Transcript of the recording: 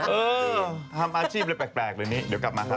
เออทำอาชีพแปลกเดี๋ยวกลับมาครับ